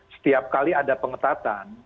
setiap kali ada pengetatan